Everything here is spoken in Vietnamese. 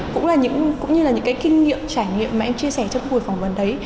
cũng như là những cái kinh nghiệm trải nghiệm mà em chia sẻ trong buổi phỏng vấn đấy